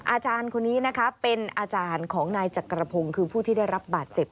อาจารย์คนนี้นะคะเป็นอาจารย์ของนายจักรพงศ์คือผู้ที่ได้รับบาดเจ็บ